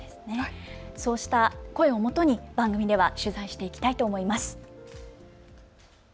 そうした声をもとに番組では取材していきたいと思います。